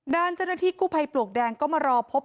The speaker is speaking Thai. ด้านเจ้าหน้าที่กู้ภัยปลวกแดงก็มารอพบ